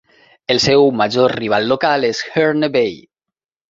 El seu major rival local és Herne Bay.